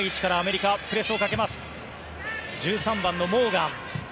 １３番のモーガン。